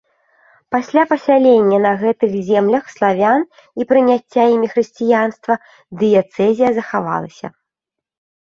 Пасля пасялення на гэтых землях славян і прыняцця імі хрысціянства дыяцэзія захавалася.